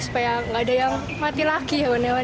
supaya nggak ada yang mati lagi